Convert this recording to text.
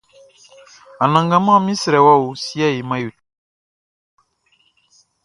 Anangaman mi srɛ wɔ o, siɛ he man yo tɛ.